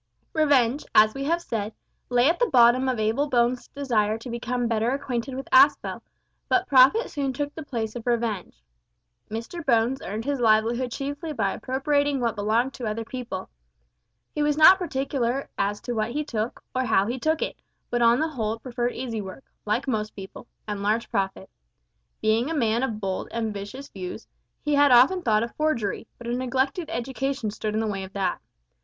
Revenge, as we have said, lay at the bottom of Abel Bones' desire to become better acquainted with Aspel, but profit soon took the place of revenge. Mr Bones earned his livelihood chiefly by appropriating what belonged to other people. He was not particular as to what he took, or how he took it, but on the whole preferred easy work (like most people) and large profit. Being a man of bold, ambitious views, he had often thought of forgery, but a neglected education stood in the way of that.